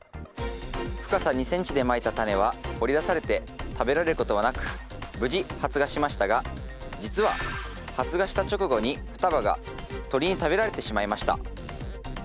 深さ２ｃｍでまいたタネは掘り出されて食べられることはなく無事発芽しましたが実は発芽した直後に双葉が鳥に食べられてしまいました。